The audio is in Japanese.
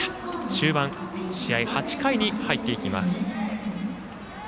終盤、試合８回に入っていきます。